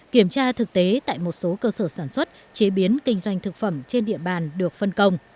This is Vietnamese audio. kiểm tra thực tế tại một số cơ sở sản xuất chế biến kinh doanh thực phẩm trên địa bàn được phân công